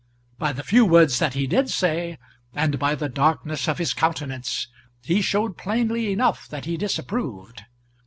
By the few words that he did say, and by the darkness of his countenance, he showed plainly enough that he disapproved.